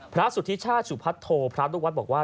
พระสุธิชชาสุพัสโธพระรุวัฒน์บอกว่า